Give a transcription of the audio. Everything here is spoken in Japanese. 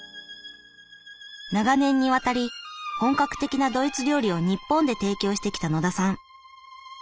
長年にわたり本格的なドイツ料理を日本で提供してきた野田さん。